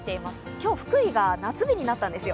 今日福井が夏日になったんですよ。